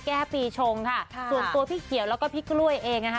แก้ปีชงค่ะส่วนตัวพี่เขียวแล้วก็พี่กล้วยเองนะคะ